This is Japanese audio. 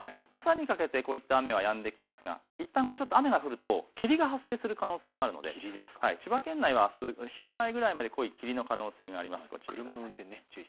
朝にかけてこういった雨はやんでいったん雨が降ると霧が発生する可能性もあるので千葉県内はあす昼ぐらいまで濃い霧の可能性があります。